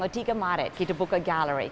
tiga maret kita buka galeri